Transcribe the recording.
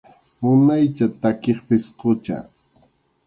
Munaycha takiq pisqucha.